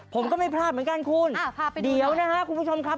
ผมก็ไม่พลาดเหมือนกันคุณอ่าพาไปดูหน่อยเดี๋ยวนะฮะคุณผู้ชมครับ